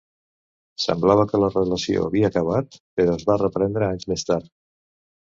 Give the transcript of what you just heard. Semblava que la relació havia acabat, però es va reprendre anys més tard.